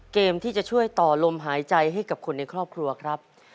เกมที่จะช่วยต่อลมหายใจให้กับคนในครอบครัวครับ